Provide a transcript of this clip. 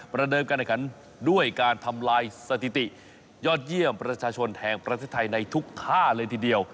เดิมการแข่งขันด้วยการทำลายสถิติยอดเยี่ยมประชาชนแห่งประเทศไทยในทุกท่าเลยทีเดียว